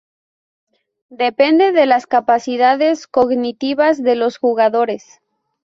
Depende de las capacidades cognitivas de los jugadores.